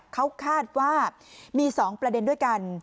เขาคาดว่ามี๒ประเด็นด้วยกัน